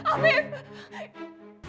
alf standards luluh tuhanka